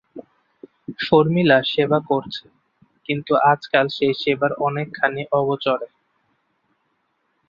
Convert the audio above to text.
শর্মিলা সেবা করছে, কিন্তু আজকাল সেই সেবার অনেকখানি অগোচরে।